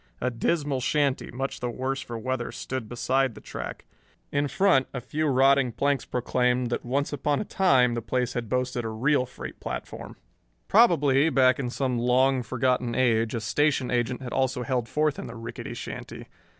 A dismal shanty, much the worse for weather, stood beside the track. In front, a few rotting planks proclaimed that once upon a time the place had boasted a real freight platform. Probably, back in some long forgotten age, a station agent had also held forth in the rickety shanty.